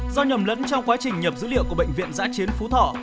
do nhầm lẫn trong quá trình nhập dữ liệu của bệnh viện giãi chiến phú thỏ